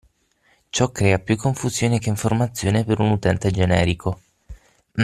Ciò crea più confusione che informazione per un utente generico.